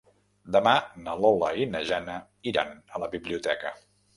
Demà na Lola i na Jana iran a la biblioteca.